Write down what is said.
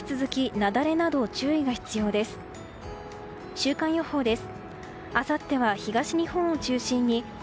週間予報です。